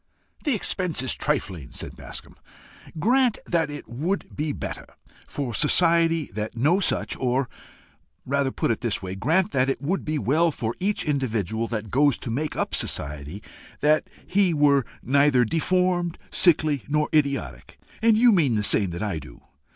"The expense is trifling," said Bascombe. "Grant that it would be better for society that no such or rather put it this way: grant that it would be well for each individual that goes to make up society that he were neither deformed, sickly, nor idiotic, and you mean the same that I do.